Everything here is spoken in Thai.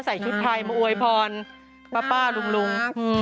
ใส่ชุดไทยมาอวยพรป้าลุง